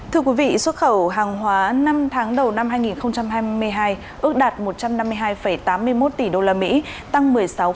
thưa quý vị xuất khẩu hàng hóa năm tháng đầu năm hai nghìn hai mươi hai ước đạt một trăm năm mươi hai tám mươi một tỷ usd tăng một mươi sáu